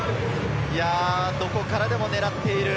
どこからでも狙っている。